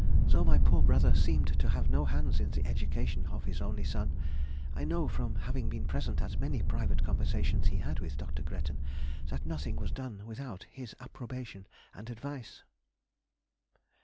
Though my poor brother seemed to have no hands in the education of his only son, I know, from having been present at many private conversations he had with Dr. Gretton, that nothing was done without his approbation and advice.